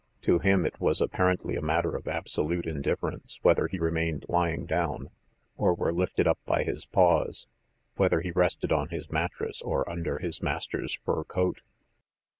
To him it was apparently a matter of absolute indifference whether he remained lying down, or were lifted up by his paws, whether he rested on his mattress or under his master's fur coat.